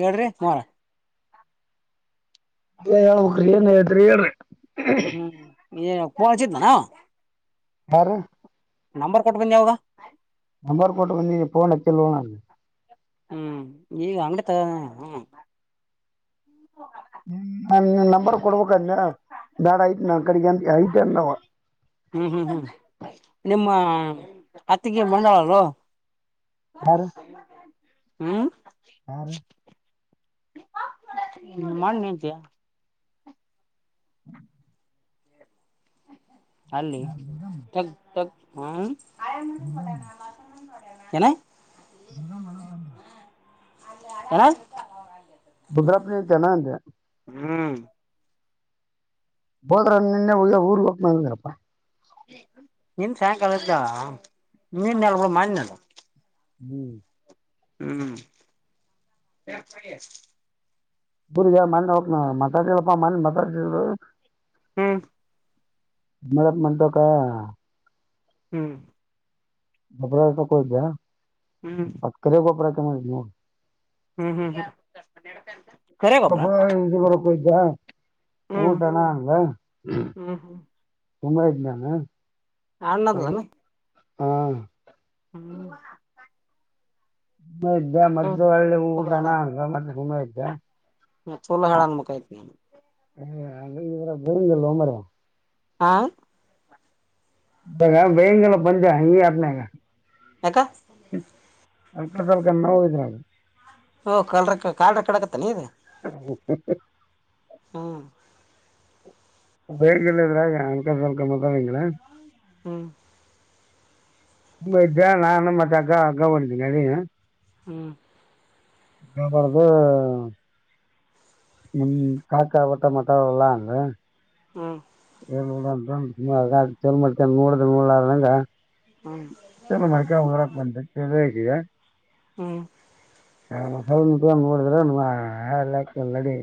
ಹೇಳ್ರಿ ಆಮೇಲೆ ಅಾವೋಗ್ರಿ ಏನ್ ಹೇಳದ್ರಿ ಏನ್ ಹ್ಮ್ ಇ ಕವಚಿತ ನ [unintelligible] ಹಾರು ನಂಬರ್ ಕೊಟ್ಬನ್ನಿ ಯಾವ್ದ ನಂಬರ್ ಕೋಟ್ಟ ಬಂದನೀ ಪೋನ್ ಹಚ್ಚಿಲ್ಲೋಣ ಹ್ಮ್ ಈಗ ಅಂಗ್ಡಿ ಕ ಹ್ಮ ಹ್ಮ ನಂಬರ್ ಕೊಡ್ಬೇಕಂದ ಬಾಡ್ ಐತ್ ನ ಕಡೆಂತ ಐತ ಹ್ಮ್ ಹ್ಮ್ ಹ್ಮ್ ನಿಮ್ಮ ಅತ್ತಿಗೆ ಮಂಡಳಲ್ಲು ಯಾರು ಹ್ಮ್ ಯಾರು ನಿಮ್ ಅಣ್ಣಹೆಂಡ್ತಿ ಹ ಅಲ್ಲಿ ಯಾರು ತಕ್ ತಕ್ ಹ್ಮ ಬಂಗಾಮ ಏನು ದುರ್ಗ ಮನ [unintelligible] ಏನು ಗುಜರಾತ್ನ ಅಂತೆನ ಅಂತೆ ಹ್ಮ್ ಹೋದ್ರ ನಿನ್ನೆ ಹ ಊರ್ಗ್ ಹೋಗ ಮಂದ್ರಪ್ಪಾ ಇನ್ ಸಾಯಂಕಾಲದ್ದ ನೆನ್ನೆ ಅಲ್ಲ ಬಿಡು ಮೊನ್ನೆ ಹ್ಮ್ ಹ್ಮ್ ಪರ ಯ ಮಣ ಹೋಗ ನ ಮಾತಾಡ್ತವಪ್ಪ ಮಣ ಮಾತಾಡ್ತರು ಹ್ಮ್ ಮಲತ್ ಮತ ಕ ಹ್ಮ್ ಗೊಬ್ಬಡ ಕೊ ಬ ಹ್ಮ್ ಪತ್ಕೆ ಗೊಬ್ಬರ ಕೆಮ್ಮ ಹ್ಮ್ ಹ್ಮ್ ಹ್ಮ್ ಕರೆ ಗೊಬ್ಬ ಗೊಬ್ಬ್ರ ಹ ಬರಕ್ಕ ಇದ್ದ ಹ್ಮ್ ಊಟಣ ಹ್ಮ್ ತುಂಗಾಿದ್ದಾನ ಅಣ್ಣದುಾನ ಹಂ ಹ್ಮ್ ಸುೆ ಇದ್ದ ಮತ್ತ ಹ್ಮ್ ಅಳ್ಳೆ ಹಊಟಾನಂಗ ಮತ್ತೆ ಸುಮೆ ಇದ್ದೆ ಹ ಚೋಲ ಹೇಳನ್ ಮುಖಯತಿ ನ ಇದರ ಬರುಂಗಲ್ಲೋ ಮರ ಹಾ ಬೇಿಂಗಲ್ಲ ಬಂಜ ಹನ ಹಕ ಅಲ್ಕ ತಲ್ಕ ನ ಹಿದ್ರೆ ಹ ಕಲ್ ಕಾ ಕಡ ಆಗತ್ತ ನೀ ಇದು ಹ ಹ್ಮ್ ಹೇಗಲ್ಲಿದ್ರಗ ಅನ್ಕ ಸ್ವಲ್ಕ ಮಂಗ ಹ್ಮ್ ಹ ಇದಾ ನಾನು ಮತ್ತೆ ಅಕ್ಕಾ ಅಕ್ಕಾ ಒಂದಿದ್ದನ ನೀ ಹ್ಮ್ ಅಬಡದು ನಿ್ ಕಾಕ ಬಟ ಮಾತಾಡಲ್ಲಾ ಅಂದ್ರ ಹ್ಮ್ ಚ ಮೂಡ ನಂಗ ಹ್ಮ್ ಚಲ ಮರಕ ಹರಕ್ ಬಂತೇಳ ಹೇಗಿಯ ಹ್ಮ್ ಹ ಮಸಾಲ ನೋಡಿದ್ರಮ್ಮಾ ನಡಿ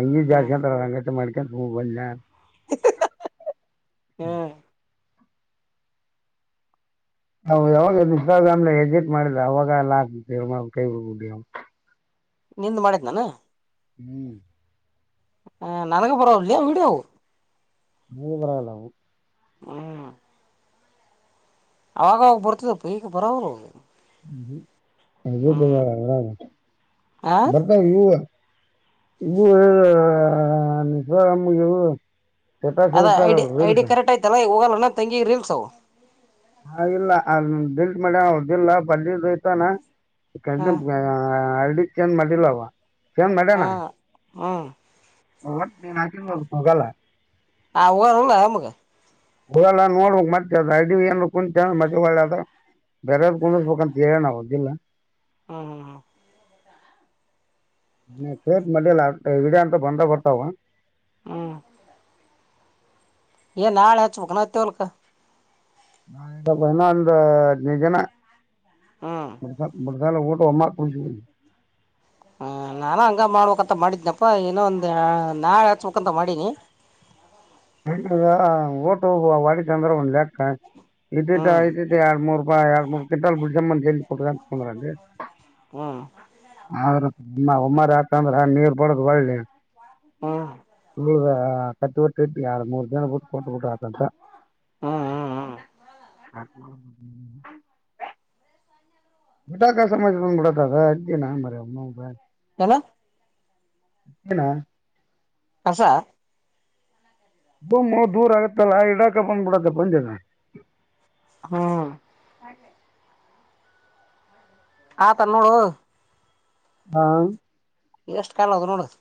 ಹಂಗ ಜಾಸ್ತಿ ಹ್ಮ್ ಅಂತ ಅಂಗ ಮಾಡ ಚಗಬಲ್ಲ ಹ್ಮ್ ನವು ಯಾವಾಗ ಇನ್ಸ್ಟಾಗ್ರಾಮ್ ಎಕ್ಸಿಟ್ ಮಾಡಿದ್ರ ಅವಾಗ ಎಲ್ಲ ಆಗ್ಬ ಕೈಬಡಿ ನಿಂದು ಮಾಡಿದ್ ನಾನ ಹ್ಮ ಹ ನನಕ ಪರ ಇಲ್ಲಿಯಾ ವಿಡವು ಮೂ ಬರಲ್ಲವು ಹ್ಮ್ ಅವಾಗಾಗ ಬರ್ತದಪ್ಪ ಈಗ ಬರವಲ್ಲ ಅದ ಆ ಬರ್ತ ಇೂ ಇ ಹೇಳ ನಿರ [unintelligible] ಅದ ಐಡಿ ಐ ಡಿ ಕರೆಕ್ಟ್ ಆಯ್ತಲ್ಲ ಹೋಗಲ್ಲ ಅಲ ತಂಗಿ ರೀಲ್್ಸ ಅವು ಹಾ ಇಲ್ಲ ಡಿಲೀಟ್ ಮಾಡಲೇ ಅವ್ದಿಲ್ಲ ಪಲ್ಲಿ ಐ್ತಾನ ಕ ಹಾಂ ಅಡಿ ಚ ಮಡಿಲ್ಲವಾ ಹಾ ಹ್ಮ ಒಟ್ಟ ನೀ ನಾಕಿದ್ರೇನ ತೋಗಲ್ಲ ಹ ಹಊಲ್ಲಮಗೆ ಹಡಲ್ಲಾ ನೋಡ ಮತ್ತ ಅದ ಅಡ್ಡಿ ಏ ಕುಂತಾ ಮಜದ ಬೇರಾರ ಕೋ ಸಖಾನ ತರ ನ ಬುದಿಲ್ಲ ಹ್ಮ್ ಹ್ಮ್ ಹ್ಮ್ ಕೇಟ್ ಮಲ್ಲ ಇಡ ಅಂತ ಬಂದೇ ಬರ್ತಾವ ಹ್ಮ್ ಏ ನಾಳ ಹ ಚುಬೇಕೇನು ಹತ್ತಿ ಒಲ್ಕ ನಾ ಬನಾ ಒಂದು ಹದಿನೈದು ದಿನ ಹ್ಞೂ ಅಲ್ಲ ಊಟ ಅಮ್ಮ ಕುಡು ಹ್ಮ ನಾನ ಹಂಗ ಮಾಡ್ಬೇಕಂತ ಮಾಡಿದನಪ್ಪ ಇಏನೊ ಒಂದ್ ನಾಳೆ ಹಚ್ಬೇಕಂತ ಮಾಡೀನಿ ಹ [inaudible] ಓಟ ಹೋಗುವ ವಾ ಚಂದ್ರ ಒಂದ್ ಲೆಕ್ಕ ಇದ್ದಿದ್ದ ಹ್ಮ್ ಆಐ್ ಎರಡ್ ಮೂರು ಎರಡು ಮೂರು ಗಂಟಲ್ ಬಿಡಮ್ಮ ಹ ಹೇಳಿ ಕೊಟ್ಟ ಅಂತಕಂದಲ್ಲಿ ಹ್ಮ ನಿಮ್ಮ ಉಮ್ಮಾರಿ ಆತ ಅಂದ್ರೆ ನೀರ್ ಬಡ್ದ ಒಳ್ಳಿ ಹ್ಮ್ ಕತ್ ಬಿಟ್ಟಟ್ಟ ಯ ಮೂರ್ ಜನ ಬಿಟ್ಟು ಕೊಟ್ಟ ಬಿಟರು ಆತಂತ ಹ್ಮ್ ಹ್ಮ್ ಹ ಹ್ಮ ಪಟಾಕಾ ಸಮ್ ಕೂಡ ದಾದಾ ಅಡ್ನ ಮರ ಅಲ ಅನಾ ಕಸ ಬಮ್ಮ ದೂರ ಆಗತ್ತಲ್ಲ ಇಡಾಕ ಬಂದ್ಬಿಡತ್ತ ಬಂಜನ ಹ್ಮ್ ಆತ ನೋಡು ಹಾ ಎಷ್ಟ ಕಾಲ ಅದು ನೋಡುದು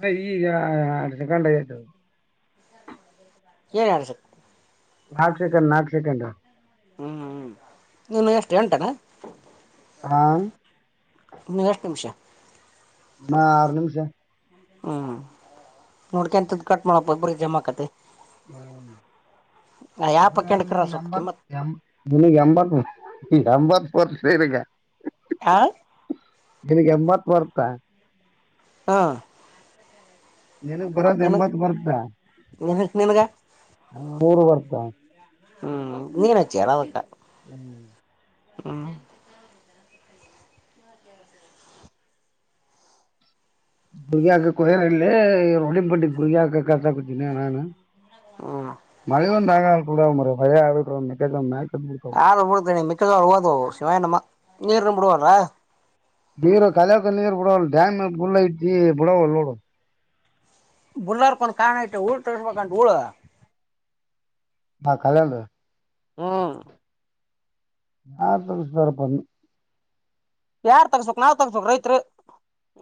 ನ ಈಗ ಕಂಡತ ಏನ್ ಮಾಡಸಕ್ತಿ ನಾಲ್ಕು ಸೆಕಂಡ ನಾಲ್ಕು ಸೆಕಂಡ ಹ್ಮ್ ನೀನು ಎಷ್ಟು ಎಂಟಾನ ಆಮ ನಹಷ್ಟ ನಿಮಿಷ ನ ಆರು ನಿಮಿಷ ಹ್ಮ್ ನೋಡ್ಕ ಎಂತದ್ದ ಕಟ್ ಮಾಡಪ್ಪ ಬ್ರ ಜಮಾಕತಿ ಯಾ ಹ್ಮ ಇ ಪಕ್ಕಂಡಕರ ನ ಸ್ವಲ್ಪ ಗಂಬ ಕಿಮ್ಮತ್ ಗಂಬಾರ [inaudible] ನಂಬರ್ ಫರ್ ಸೇರಿಗ ಆ ನೀನಗ್ ಎಂಬತ್ ಬರ್ತಾ ಹಾ ನನಗ್ ಬರೋದ ನಿನ ಎಂಬತ್ ನಿನ ನಿನಗ ಬರ್ತರು ಬರ್ತ ಹ್ಮ್ ನೀನ ಚೇರದಟಾ ಹ್ಮ್ ಹ್ಮ್ ಗುರ್ಗಿ ಹಕ ಕೊಯಲ್ಲಿ ರಡಿ ಬಂಡ ಗುರ್ಗಿಕ ಕತಾಕತೀನಿ ನಾನು ಹ್ಮ್ ಮಳಿವನ್ ತಾಗಾಲ ಕೂಡ ಒರ ಭಯಾ ಆಳ ಹ ಬಿಡ್ತೇನೆ ಮಿ ಹಓದು ಶಿವಾಯ ನಮ್ಮ ನೀರ್ನ್ನು ಬಿಡವಲ್ಲ ನೀರು ಕಳಯಕ ನೀರು ಬಡಾವ ಡ್ಯಾಮ್ ಲ್ ಐಬಡಾವ ನೋಡ ಬುಲ್ಲರ್ಕೊಂದ್ ಕಾಣ ಇತೆ ಹಊಳ್ ತಗಬೇಕಂ ಹಊಳ ಹಾ ಕಾಲ ಅಲ್ಲ ಹ್ಮ್ [unintelligible] ಯಾರ್ ತಗಸ್ಬಕ್ ನಾವ್ ತಕ್ಸ್ಬಕ್ ರೈತ್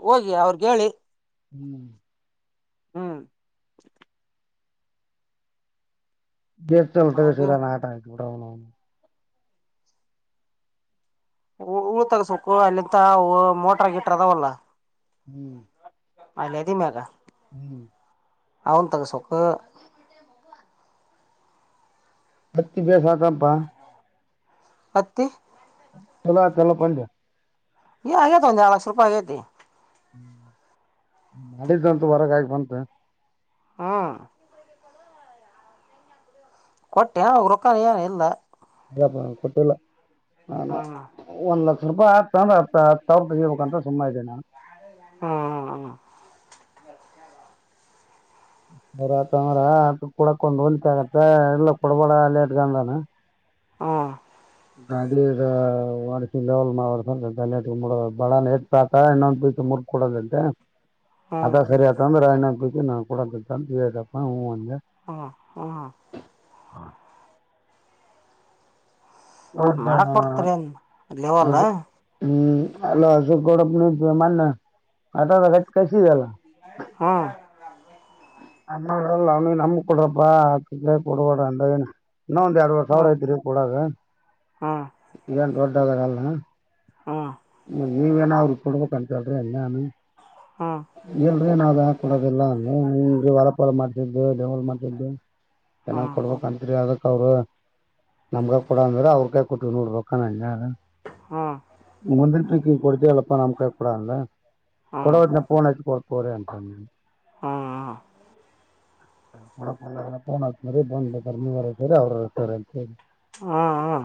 ಹೋಗಿ ಅವ್ರಗ್ ಹೇಳಿ ಹ್ಮ್ ಹ್ಮ್ ದೇತಲ್ತ ಸರ ಅವ್ರಿಗೆ ನ ಆಟ ಆ ಬಿಡಣ ಉಳು ತಗಸ್ಬೇಕು ಅಲ್ಲಿಂತ ಮೋಟ್ರ ಆಗಿ ಇಟ್ರ ಅದಾವಲ್ಲ ಹ್ಮ್ ಅಲೆದ ಮೇಲೆ ಹ್ಮ್ ಅವನ್ ತಗ ಸೊಖ ಅತ್ತಿಬೆ ಸಾಕಪ್ಪ ಮತ್ತೆ ಚಲ ಚಲ ಪಂದ್ಯ ಆಗೇತ ಒಂದು ಎರಡು ಲಕ್ಷ ರೂಪಾಯಿ ಆಗೈತಿ ಮಾಡಿದ್ದಂತು ಹೊರಗಾಗಿ ಬಂತ ಹ್ಮ ಕೊಟ್ಟೆ ಅವ ರೊಕ್ಕಾಲ ಇಲ್ಲ ಕೊಟ್ಟಲ್ಲ ಹ್ಮ್ ಒಂದ್ ಲಕ್ಷ ಸ್ವಲ್ಪ ಆ ಅಂದ್ರೆ ಹ ಹಾವ್ರ ತೆಗಿಬೇಕಂತ್ರ ಸುಮಮ್ಮ ಇದ್ದೇ ನಾನು ಹ್ಮ್ ಹ್ಮ ಹ್ಮ್ ಹ್ಮ ಅವ್ರತಂದ್ರ ಅದು ಕೂಡಕ್ ಹೊಂಚ ಆಗತ್ತ ಇಲ್ಲ ಕೊಡಬೋಡ ಲೇಟ್ಗಂದಾನ ಹ್ಮ ವಲ್ ಬಡ ನೇಟ್ ತಾತ ಇಣ್ಣೊಂದ ಬಿ ಕೊಡದಂತೆ ಅದ ಹ್ಮ್ ಸರಿ ಆತ ಅಂದ್ರ ರಾಜನಾ ನಾ ಕೊಡಂತಂತಪ್ಪ ಹ ಹ್ಮ ಹ್ಮ್ ಹೌದಾ ಮಾಡಕ್ ಬರ್ತಾರೆ ಅನ್ ಲೆವಲ್ ಅದು ಹ್ಮ್ ಅಲ ಅ ಕೊಡ ಮಾನ್ ಆತದ ಕಸ ಇಲ್ಲ ಹಾ ಅಡಲ್ಲ ಅವ್ನಿ ನಮ ಕೊಡ್ರಪ್ಪಾ ಕೊಡಬಡ ಅಂದ ಏನು ಇನ್ನೊ ಒಂದು ಎರಡ್ವರೆ ಸಾವರ ಹ್ಮ್ ಐ್ದರಿ ಕೂಡಾಗ ಹ್ಮ್ ಏನ್ ದೊಡ್ಡದಾಗಲ್ಲ ಹ್ಮ್ ಹ್ಮ್ ನೀವೇನ ಅವ್ರು ಇ ಕೊಡ್ಬೇಕ ಕಾಣತಳ್ರಿ ಎಲ್ಲಾನು ಹ್ಮ್ ಎಲ್ರೇ ನಾವ್ದ ಹಾ ಕೊಡೋದಿಲ್ಲ ಹಗೆ ಹೊಲಪಲ ಮಾಡ ಡೆವಪ್ ಮಾಡ್ದ್ದು ಚೆನ್ನಾಗ್ ಹ್ಮ್ ಹ್ಮ್ ಕೊಡ್ಬೇಕ ಅಂತತ್ರಿ ಅದ ಅವರು ನಮ್ಗ ಕೊಡ ಅಂದ್ರೆ ಅವ್ರಕ ಕೊಟ್ಟವಿ ನೋಡ್ಬೇಕ ನಾನ ಯು ಹ್ಮ ಅ ಕೊಡ್ತ ಎಲ್ಲಪ್ಪ ನಮ್ ಕಾಯಿ ಕಡ ಅಲ್ಲ ಹ್ಮ್ ಕೊಡಫೋನ್ ಆಯ ಕೊರ ಅಂತ ಹ್ಮ ಬಂದ ಕರ್ಮಿರಿ ಅವ್ರ ಅಂತರಿ ಹ್ಮ್ ಹ್ಮ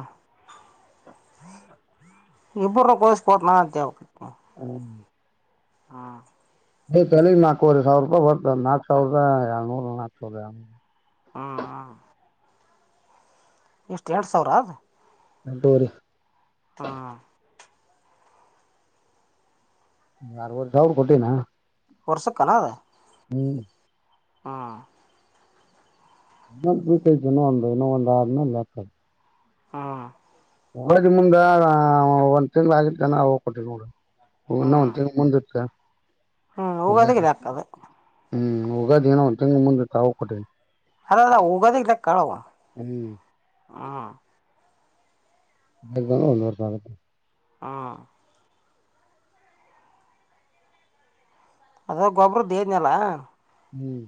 ಇಬ ಕೊ [unintelligible] ಹೇಳಿ ಹಾ ತಳ ನಾಲ್ಕವರೆ ಸಾವಿರ ರೂಪಾಯ ಬರ್ತ ನಾಕಕ್ ಸಾವಿರದ ಎರಳ್ನೂರು ನಾಕ ಸಾವಿರ ಹ್ಮ್ ಹ ಎಷ್ಟು ಎಂಟ ಸಾವಿರ ಅದ [unintelligible] ಹ್ಮ ಯಾರವರ್ದ ಅವ್ರ ಕೊಟ್ಟಿನ ವರ್ಷ ಕಣ ಅದ ಹ್ಮ್ ಹ್ಮ ನ ಕನ ಒಂದು ಇನ್ನು ಒಂದು ಆರ್ನಕ್ಕ ಹ್ಮ ಒಳದ ಮುಂದ ಒಂದ್ ತಿಂಗ್ ಆಗತ್ತು ಜನ ಹೋಗ್ ಕೊಟ್ಟಿ ನೋಡ ಹ ನ ಒ ಹ್ಮ್ ಮುಂದಿರ್ತ ಹ್ಮ್ ಊಗದ ಗಲ ಆಕದು ಹ್ಮ್ ಹೋಗಾದೇನೋ ಒ ತಿಂಗ್ ಮುಂದೆ ತಾವು ಕೊಟ್ಟಿ ಅದದ ಹೋಗದ ಇ ಕಳುವ ಹ್ಮ್ ಹ್ಮ್ ಬ ಒಂದು ಹ್ಮ ಅದ ಗೊಬ್ಬರದ ದೇಲ ಹ್ಮ್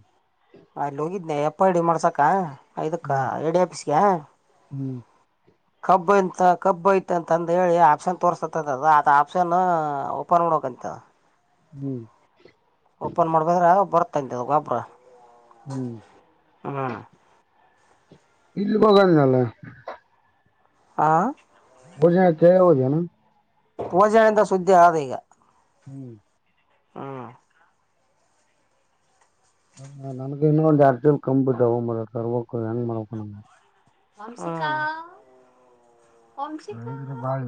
ಪಪ್ಪ ಡಿ ಮಾಡ್ಸಾಕ ಇದಕ್ಕೆ ಹ್ಮ್ ಐ ಡಿ ಆಫೀಸ್ಗೆ ಹ್ಮ್ ಕಬ್ ಎಂತ ಕಬ್ಬ ಐತ್ ಅಂತಂದ ಹೇಳಿ ಆಪ್ಷನ್ ತೋರ್ಸದದು ಅ ಆಪ್ಷನ್ ಓಪನ್ ಮಾಡ ಅಂತ ಹ್ಮ್ ಓಪನ್ ಮಾಡ್ಬದ್ರೆ ಬರ್ತಾಂತ ಗಬರ ಹ್ಮ್ ಹ್ಮ್ ಇಲ್ಲಿ ಬಗಾರಿನಲ್ಲ ಆ [unintelligible] ಭೂಜನಿಂದ ಸುದ್ದಿ ಆದ ಈಗ ಹ್ಮ್ ಹ್ಮ ಹ ನನ ಇನ್ನ ಒಂದು ಆ ಕಂಬು ತ ಮ ತರ್ಂಗ ಮರಕ ನಗೆ ನಮಸ್ಕಾರ ಹ್ರ ಬಳ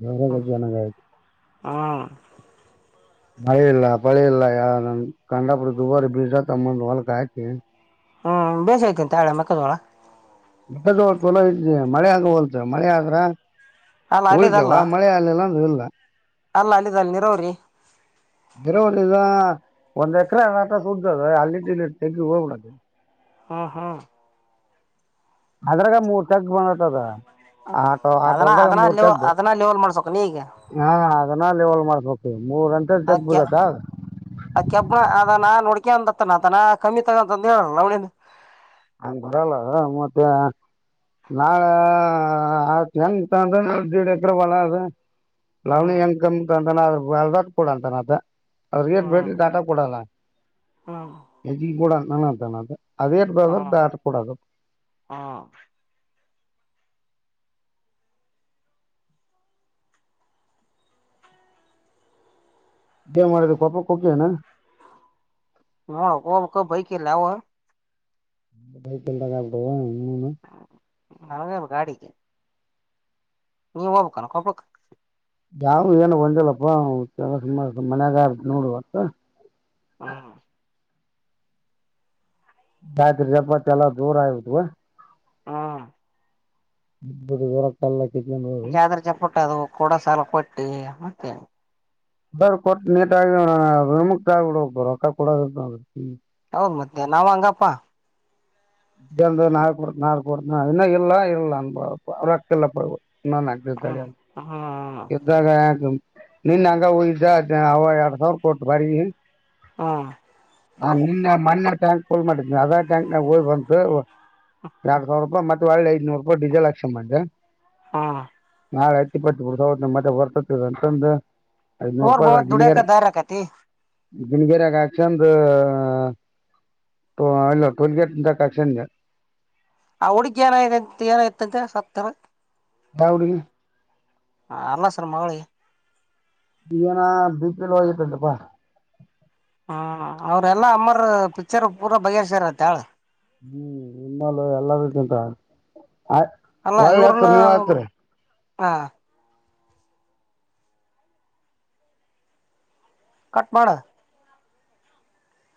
ದೇವಸ [unintelligible] ಹ್ಮ್ ಬಳಿ ಇಲ್ಲ ಪಳಿ ಇಲ್ಲ ಯ ಕಾಂಡಾಪುರ ದುಬಾರಿ ಬೀಜ ತಗೋಬಂದು ಹೊಲ್ಕ ಆಯ್ಕೆ ಹ್ಮ್ ಬೇಸಐತೆಂತೆ ಹಾ ಮೆಕ್ಕದೋಳ ಮಲೋ ಇ ಮಳೆ ಹಾಗಗ ಹೊಲ್ತ ಮಳೆ ಆದ್ರ ಅಲ್ಲ ಉಳಿತೇವ ಅಲ್ಲಿದಲ್ಲ ಮಳೆ ಆಲ್ಲಿಲ್ಲ ಇಲ್ಲ ಅಲ್ಲ ಅಲ್ಲಿದ ಅಲ್ಲಿ ನೀರೋರಿ ಗರವಿದ ಒಂದ್ ಎಕರೆ ಆಟ ಸುುದ್ದದ ಅಲ್ಲಿಟ್ಟ ಇಲ್ಲಿಟ್ಟ ತೆಗಿ ಹೋಗಬಿಡೆ ಹ್ಮ್ ಹ್ಮ್ ಅದ್ರಾಗ ಮೂರ್ ತಕ ಬಂದತದ ಆಟೋ ಆಟೋ ಅದನ್ನ ಅದನ್ನ ಮೂರು ಲೆವ ಕೆಗು ಅದನ್ನ ಲೆವಲ್ ಮಾಡ್ಸಕ ನೀ ಈಗ ಹಾ ಅದನ್ನ ಲವಲ್ ಮಾಡ್ಬೇಕ ಮೂರ್ ಗಂಟೆ ತಗ್ಬುದತ್ತ ಆ ಕೆಬ್ಣ ಅದ ನಾನ್ ನಡ್ಕೆ ಅಂದತ್ತನ ನಾ ಕಮ್ಮಿ ತಗಂತಂದು ಹೇಳಲ್ಲ ನಳ ಅಂತರಲ್ಲ ಮತ್ತೆ ನಾಳೆ ಆ ಹೆಂಗ ಅಂದ್ರೆ ದೀಡ್ ಎಕ್ರ ಹೊಲ ಅದ ಲವಣಿ ಹ್ಮ್ ಹೆಂಕಮಂತ ಅಂತಾನ ಅದಾಟ್ ಕೊಡಂತಾನ ಅದ್ರ ಗೇ ಬೇ ಹ್ಮ್ ದ ಆಟ ಕೊಡಲ್ಲ ಹ್ಮ್ ಹೆಚ್ಚಿಗೆ ಕೂಡ ಅಂತಾನಾ ಏನ್ ಆತ ಅದೇ ಏಟ ಹ್ಮ್ ಆಟ ಕೂಡದು ಹ್ಮ್ ಏ ಮಾಡೋದು ಪಪಕ್ಕ ಕಿನಾ ಹ ಹೋಗಬೇಕ ಭೈಕಿಲ್ಲ ಅವ ಬೈಕ ಇಲ್ಲ [unintelligible] ನನಗೆ ಗಾಡಿಗೆ ನೀ ಹೋಗಬೇಕೇನು ಕೊಪ್ಪಳಕಾ ಯಾರು ಏನು ಬಂದಿಲ್ಲಪ್ಪಾ ಮತ್ತೆ ಮನ್ಯಾಗಾರ ನೋಡು ಇವತ ಹ್ಮ ಗಾಯತ್ರಿ ಜಪ್ಪ ಚಲ್ಲ ಜೋರ ಆದು ಗ ಹಾ ಇಬರದು ಹೇಳಕ್ಕಲ್ಲಕಿ ಜಾದ್ರ ಚಪ್ಪಟ್ಟ ಅದು ಕೂಡ ಸಾಲ ಕೊಟ್ಟು ಮತ್ತೇನೆ ಕೊಟ್ಟ ನೀಟ್ಗ ವಿಮುಕ್ತ ಆಗ್ಬಡ ರೊಕ್ಕ ಕೊಡದ ಇತ್ತ ಅಂದ್ರ ಹ್ಮು ಮತ್ತೆ ನಾವು ಅಂಗಪ್ಪಾ ಇಟಗೊಂಡ ನಾಳೆ ಕೊಡತಿನ ನಾಳೆ ಕೊಡತೀನಿ ಇನ್ನು ಇಲ್ಲ ಇಲ್ಲ ಅನಬೇಕು ರೊಕ್ಕ ಇಲ್ಲಪಾ ಇವತ್ತು ಇನ ನಾಕ ದಿವ್ಸ ತಡಿ ಹ್ಮ್ ಅನಬೇಕು ಹ್ಮ್ ಇದ್ದಾಗ ಅದು ನಿನ್ನೆ ಹಂಗ ಹೋಗಿದ್ದೆ ಅವ ಎರಡ್ ಸಾವಿರ ಕೊಟ್ಟ ಬಾಡಿಗಿ ಹ್ಮ್ ಹ ನಿನ್ನೆ ಮನ್ನೆ ಟ್ಯಾಂಕ್ ಫುಲ್ ಮಾಡಿದ್ನಿ ಅದೇ ಟ್ಯಾಂಕ್ ನಾಗ ಹೋಗ್ ಬಂತು ಎರಡ್ ಸಾವಿರ ರೂಪಾಯಿ ಮತ್ತೆ ಒಳ್ಳೆ ಐದನೂರು ರೂಪಾಯಿ ಡಿಸೆಲ್ ಅಕ್ಸೆ ಬಂದೆ ಹ್ಮ ನಾಳೆ ಹತ್ತ ಇಪ್ಪತ ಉಳದವಂದು ಮತ್ತೆ ಬರ್ತದ ಅಂತಂದು ಐನೂರು ಹೋರ್ ರೂಪಾಯಿ ಬವ ಅ ದುಡಿಯಕ ಅಗ್ನಗರೆ ದಾರಿ ಆಕತಿ ಅಗ್ನಗೇರೆ ಆಗಾಕ್ಷಂದ ಹಾ ಅಲ್ಲ ಟೂಲ್ ಗೇಟ್ ಕಕ್ಷನ್ ಆ ಹುಡಗ್ ಏನಾಯ್ ಏನಾಯಯತಂತೆ ಸತ್ತನ ಯಾವ ಹುಡುಗಿ ಹ ಅಲ್ಲ ಸರ್ ಮೌಳಿ ಏನ ಬಿಪಿ ಲೋ ಆಗಿತ್ತಂತ ಪ್ಪಾ ಹ್ಮ್ ಅವ್ರೆಲ್ಲಾ ಅಮ್ಮರ್ ಪಿಕ್ಚರ್ ಪೂರಾ ಬಗೆಹರೆ ಸ್ಯಾರ ಅಂತ ಹೇಳ ಹ್ಮ್ ನಿಮ್ಮಾಲ ಎಲ್ಲ ವಗಂತ ಆ ಒಳ್ಳೆ ಅಚ್ಚರಿ ನೀವೇ ಅಚ್ಚರಿ ಹಾ ಕಟ್ ಮಾಡ